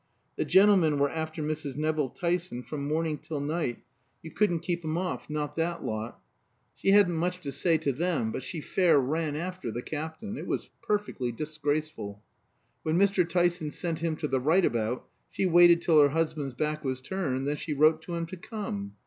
The gentlemen were after Mrs. Nevill Tyson from morning till night, you couldn't keep 'em off not that lot. She hadn't much to say to them, but she fair ran after the Captain it was perfectly disgraceful. When Mr. Tyson sent him to the right about, she waited till her husband's back was turned, then she wrote to him to come.